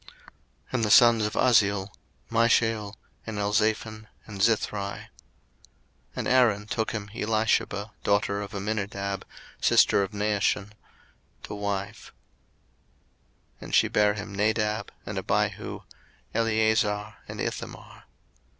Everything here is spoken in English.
02:006:022 And the sons of Uzziel; Mishael, and Elzaphan, and Zithri. 02:006:023 And Aaron took him Elisheba, daughter of Amminadab, sister of Naashon, to wife; and she bare him Nadab, and Abihu, Eleazar, and Ithamar.